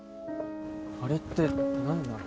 あれって何なの？